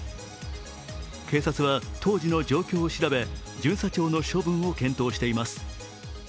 警察は当時の状況を調べ巡査長の処分を検討しています。